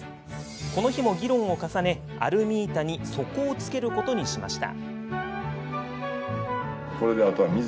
この日も議論を重ねアルミ板に底を付けることにしました。